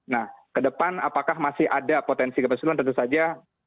nah ke depan apakah masih ada potensi gempa susulan tentu saja